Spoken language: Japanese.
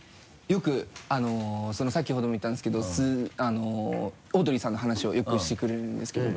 よく先ほども言ったんですけどオードリーさんの話をよくしてくれるんですけど。